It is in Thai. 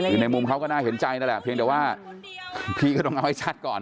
คือในมุมเขาก็น่าเห็นใจนั่นแหละเพียงแต่ว่าพี่ก็ต้องเอาให้ชัดก่อน